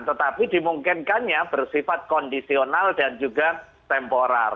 tetapi dimungkinkannya bersifat kondisional dan juga temporal